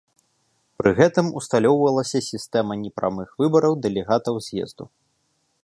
Пры гэтым усталёўвалася сістэма непрамых выбараў дэлегатаў з'езду.